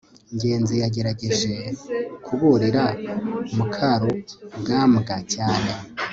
ngenzi yagerageje kuburira mukarugambwa cyane